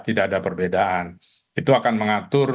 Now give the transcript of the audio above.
tidak ada perbedaan itu akan mengatur